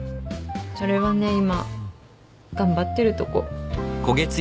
それはね今頑張ってるとこ。